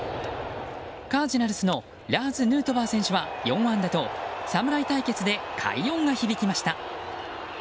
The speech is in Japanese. カージナルスのラーズ・ヌートバー選手は４安打と侍対決で快音が響きました。